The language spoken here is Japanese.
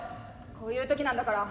こういう時なんだから。